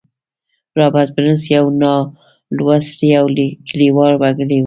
رابرټ برنس يو نالوستی او کليوال وګړی و.